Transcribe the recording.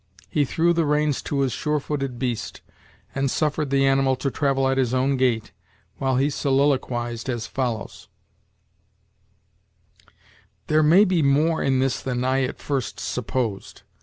He threw the reins to his sure footed beast, and suffered the animal to travel at his own gait, while he soliloquized as follows: "There may be more in this than I at first supposed.